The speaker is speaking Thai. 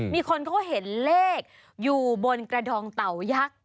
มีคนเขาเห็นเลขอยู่บนกระดองเต่ายักษ์